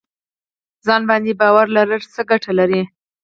ځان باندې باور لرل څه ګټه لري؟